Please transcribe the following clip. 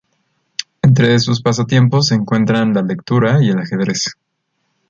Entre sus pasatiempos se encuentran la lectura y el ajedrez.